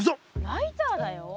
ライターだよ？